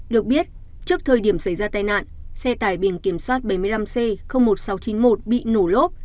được biết trước thời điểm xảy ra tai nạn xe tải biển kiểm soát bảy mươi năm c một nghìn sáu trăm chín mươi một bị nổ lốp